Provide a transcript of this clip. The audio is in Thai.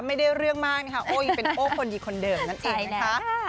ไม่ได้เรื่องมากนะคะโอ้ยังเป็นโอ้คนดีคนเดิมนั่นเองนะคะ